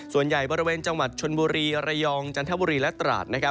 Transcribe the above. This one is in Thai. ส่วนใหญ่บริเวณจังหวัดชนบุรีระยองจันทบุรีและตราด